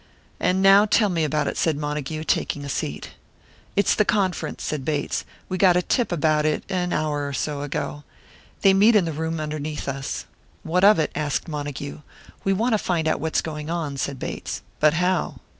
"And now tell me about it," said Montague, taking a seat. "It's the conference," said Bates. "We got a tip about it an hour or so ago. They meet in the room underneath us." "What of it?" asked Montague. "We want to find out what's going on," said Bates. "But how?"